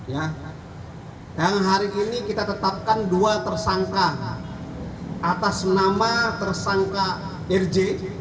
yang hari ini kita tetapkan dua tersangka atas nama tersangka rj